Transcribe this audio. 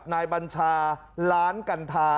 นายบัญชาร้านกันทา